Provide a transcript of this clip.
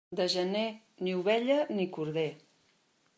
De gener, ni ovella ni corder.